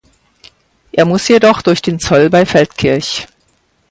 Er muss jedoch durch den Zoll bei Feldkirch.